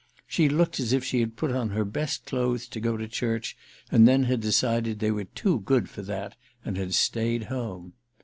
She looked as if she had put on her best clothes to go to church and then had decided they were too good for that and had stayed at home.